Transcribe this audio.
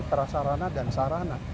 perasarana dan sarana